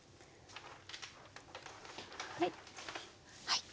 はい。